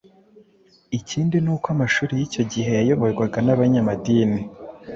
Ikindi ni uko amashuli y'icyo gihe yayoborwaga n'abanyamadini.